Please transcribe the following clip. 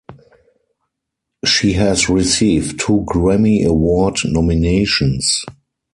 She has received two Grammy Award nominations.